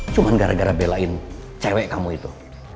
cuma gara gara belain cewek kamu itu